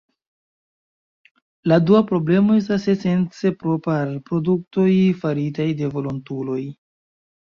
La dua problemo estas esence propra al produktoj faritaj de volontuloj.